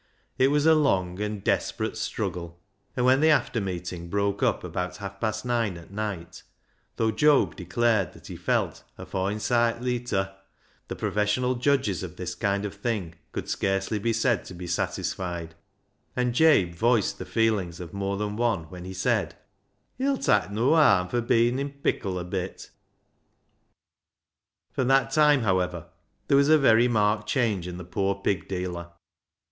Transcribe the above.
It was a long and desperate struggle, and THE HAUNTED MAN 401 when the after meeting broke up about half past nine at night, though Job declared that he felt a " foine soight leeter," the professional judges of this kind of thing could scarcely be said to be satisfied, and Jabe voiced the feelings of more than one when he said —" He'll tak' noa harm fur being i' pickle a bit." From that time, however, there was a very marked change in the poor pig dealer.